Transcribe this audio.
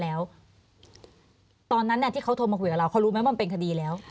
แล้วตอนนั้นที่เขาโทรมาคุยกับเราเขารู้ไหมมันเป็นคดีแล้ว